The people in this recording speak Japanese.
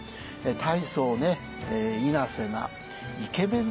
大層いなせなイケメンですね